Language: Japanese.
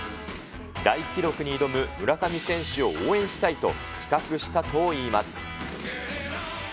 大記録に挑む村上選手を応援したいと企画したといいます。